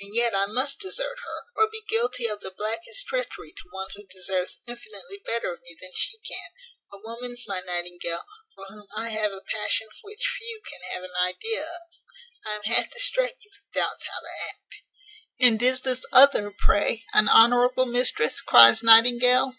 and yet I must desert her, or be guilty of the blackest treachery to one who deserves infinitely better of me than she can; a woman, my Nightingale, for whom I have a passion which few can have an idea of. I am half distracted with doubts how to act." "And is this other, pray, an honourable mistress?" cries Nightingale.